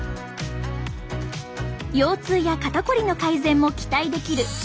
腰痛や肩こりの改善も期待できる尻トレ。